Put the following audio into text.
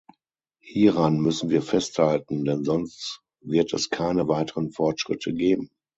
Hieran müssen wir festhalten, denn sonst wird es keine weiteren Fortschritte geben.